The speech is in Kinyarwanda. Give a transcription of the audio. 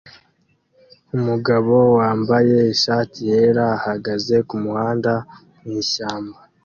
Umugabo wambaye ishati yera ahagaze kumuhanda mwishyamba